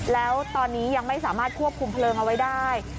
แล้วตอนนี้ยังไม่สามารถควบคุมเพลิงเอาไว้ได้